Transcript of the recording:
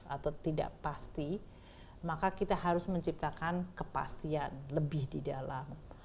atau tidak pasti maka kita harus menciptakan kepastian lebih di dalam